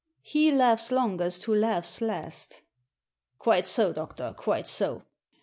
*He laughs longest who laughs last'" " Quite so, doctor, quite so !